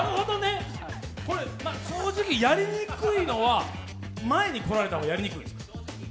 これ正直、やりにくいのは前に来られた方がやりにくいですか？